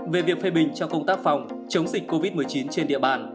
về việc phê bình trong công tác phòng chống dịch covid một mươi chín trên địa bàn